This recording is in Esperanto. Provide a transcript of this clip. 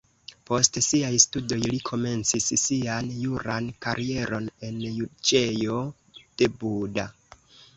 Post siaj studoj li komencis sian juran karieron en juĝejo de Buda.